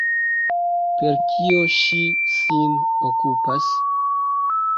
Per kio ŝi sin okupas?